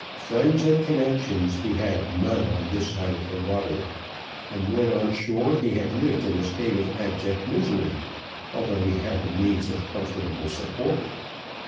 Friends and connections he had none on this side of the water, and, when on shore, he had lived in a state of abject misery, although he had the means of comfortable support.